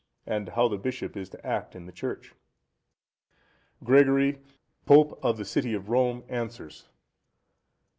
and how the bishop is to act in the Church? _Gregory, Pope of the City of Rome, answers.